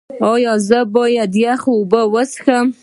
ایا زه باید یخې اوبه وڅښم؟